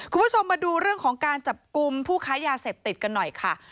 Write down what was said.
คุณผู้ชมมาดูเรื่องของการจับกลุ่มผู้ค้ายาเสพติดกันหน่อยค่ะ